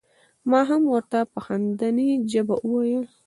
ما هم ور ته په خندنۍ ژبه وویل.